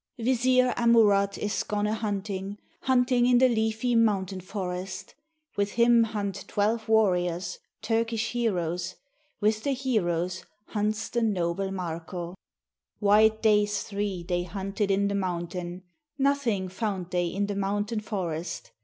] ViZEER Amurath is gone a hunting; Hunting in the leafy mountain forest : With him hunt twelve warriors, Turkish heroes: With the heroes hunts the noble Marko : White days three they hunted in the mountain; Nothing found they in the mountain forest.